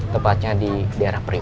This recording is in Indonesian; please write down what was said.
tepatnya di daerah priok